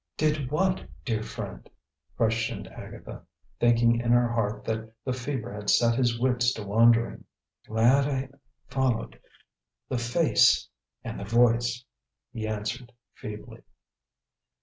"Did what, dear friend?" questioned Agatha, thinking in her heart that the fever had set his wits to wandering. "Glad I followed the Face and the Voice," he answered feebly.